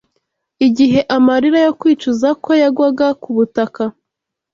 Igihe amarira yo kwicuza kwe yagwaga ku butaka